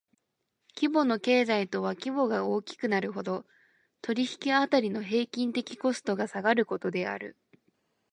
規模の経済とは規模が大きくなるほど、取引辺りの平均的コストが下がることである。